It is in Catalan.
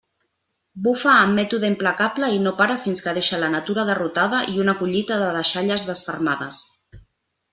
Bufa amb mètode implacable i no para fins que deixa la natura derrotada i una collita de deixalles desfermades.